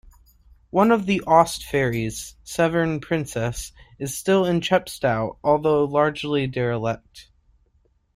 One of the Aust ferries, "Severn Princess", is still in Chepstow although largely derelict.